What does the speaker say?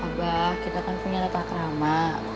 oh mbak kita kan punya latar kerama